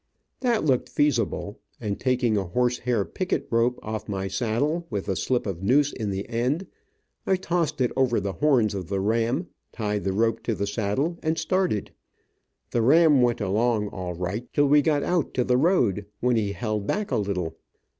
That looked feasible, and taking a horse hair picket rope off my saddle, with a slip noose in the end, I tossed it over the horns of the ram, tied the rope to the saddle, and started. The ram went along all right till we got out to the road, when he held back a little.